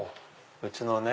うちのね